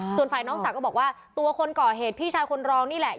ส่วนฝ่ายน้องสาวก็บอกว่าตัวคนก่อเหตุพี่ชายคนรองนี่แหละ